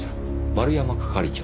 丸山係長。